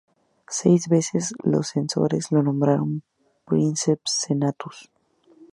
Seis veces los censores lo nombraron Princeps Senatus.